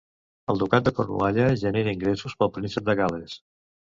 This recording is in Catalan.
El Ducat de Cornualla genera ingressos pel Príncep de Gal·les.